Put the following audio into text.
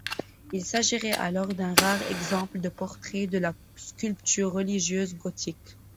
Il s'agirait alors d'un rare exemple de portrait de la sculpture religieuse gothique.